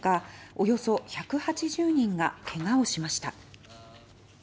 およそ１８０人がけがをしました。